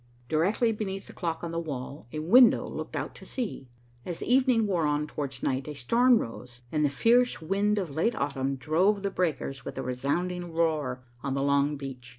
Directly beneath the clock on the wall, a window looked out to sea. As the evening wore on towards night, a storm rose, and the fierce wind of late autumn drove the breakers with a resounding roar on the long beach.